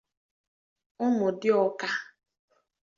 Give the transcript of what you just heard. Ụmụdiọka